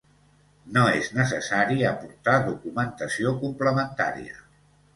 No és necessari aportar documentació complementària.